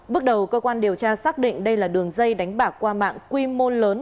bước đầu cơ quan điều tra xác định đây là đường dây đánh bạc qua mạng quy mô lớn